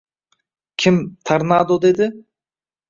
Kim “Tornado” dedi